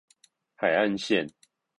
海岸線